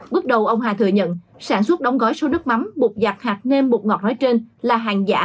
bước đầu ông hà thừa nhận sản xuất đóng gói số nước mắm bột giặt hạt nem bột ngọt nói trên là hàng giả